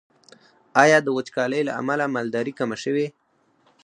آیا د وچکالۍ له امله مالداري کمه شوې؟